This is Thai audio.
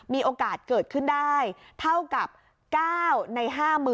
มีโอกาสเกิดขึ้นได้เท่ากับ๙ใน๕๐๐๐